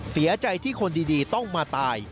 เสียใจที่คนดีต้องมาตาย